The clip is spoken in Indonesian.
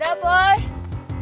jangan tambah krepa